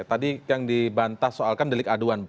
tadi yang dibantah soalkan delik aduan